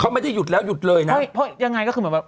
เขาไม่ได้หยุดแล้วหยุดเลยนะไม่เพราะยังไงก็คือเหมือนแบบ